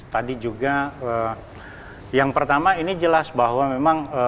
tadi juga yang pertama ini jelas bahwa memang